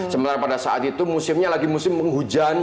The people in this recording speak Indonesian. sementara pada saat itu musimnya lagi musim penghujan